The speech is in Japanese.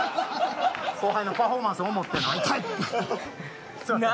後輩のパフォーマンスを思っての。